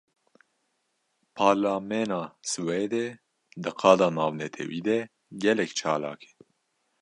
Parlamena Swêdê, di qada navnetewî de gelek çalak e